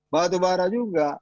batu bara juga